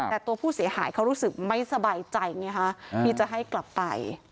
แต่ตัวผู้เสียหายเขารู้สึกไม่สบายใจไงฮะที่จะให้กลับไป